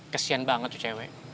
kesian banget tuh cewek